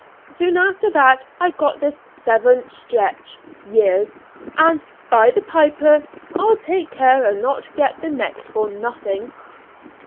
Soon after that I got this seven 'stretch' (years), and, by the piper! I'll take care and not get the next for nothing!"